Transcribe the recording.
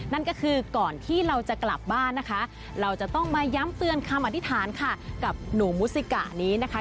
นั่นก็คือก่อนที่เราจะกลับบ้านนะคะเราจะต้องมาย้ำเตือนคำอธิษฐานค่ะกับหนูมุสิกะนี้นะคะ